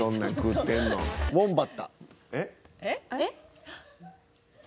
えっ！？